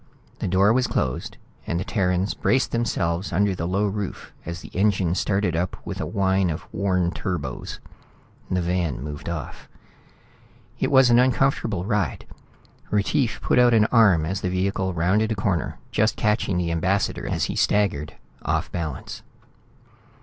The door was closed, and the Terrans braced themselves under the low roof as the engine started up with a whine of worn turbos. The van moved off. It was an uncomfortable ride. Retief put out an arm as the vehicle rounded a corner, just catching the ambassador as he staggered, off balance.